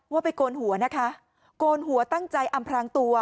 ว่าไปโกนหัวนะคะโกนหัวตั้งใจอำพรางตัว